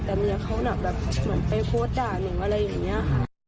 แต่เมียเขาน่ะแบบเหมือนไปโพสต์ด่าหนูอะไรอย่างนี้ค่ะ